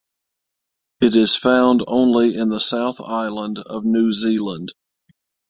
It is found only in the South Island of New Zealand.